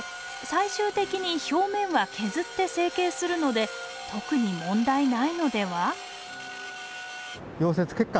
最終的に表面は削って整形するので特に問題ないのでは？